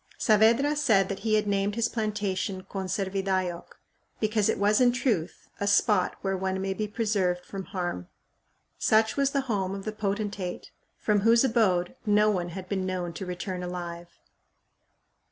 Saavedra said that he had named his plantation Conservidayoc, because it was in truth "a spot where one may be preserved from harm." Such was the home of the potentate from whose abode "no one had been known to return alive."